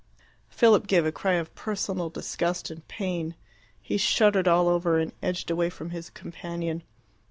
Philip gave a cry of personal disgust and pain. He shuddered all over, and edged away from his companion.